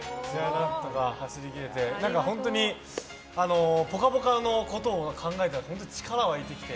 走り切れて本当に「ぽかぽか」のことを考えたら、本当に力が湧いてきて。